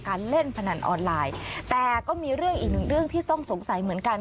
เล่นพนันออนไลน์แต่ก็มีเรื่องอีกหนึ่งเรื่องที่ต้องสงสัยเหมือนกัน